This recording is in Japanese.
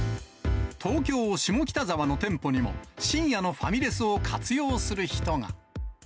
東京・下北沢の店舗にも、深夜のファミレスを活用する人が。